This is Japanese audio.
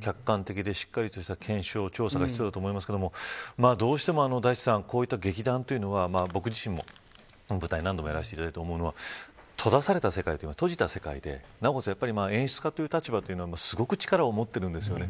客観的でしっかりとした検証調査が必要だと思いますがどうしても、こうした劇団は僕自身も舞台を何度もやらせていただいて思うのは閉じた世界でなおかつ演出家という立場はすごく力を持ってるんですよね。